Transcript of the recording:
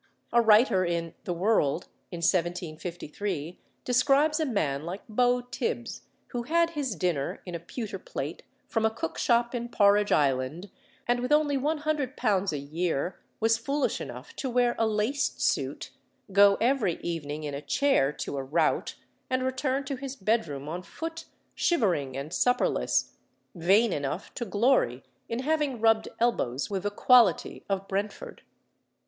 A writer in The World, in 1753, describes a man like Beau Tibbs, who had his dinner in a pewter plate from a cookshop in Porridge Island, and with only £100 a year was foolish enough to wear a laced suit, go every evening in a chair to a rout, and return to his bedroom on foot, shivering and supperless, vain enough to glory in having rubbed elbows with the quality of Brentford.